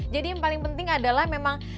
jadi yang paling penting adalah memang